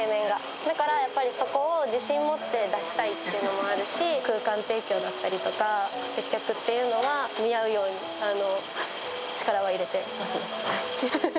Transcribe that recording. だからやっぱり、そこを自信を持って出したいっていうのもあるし、空間提供だったりとか、接客っていうのは、見合うように力を入れています。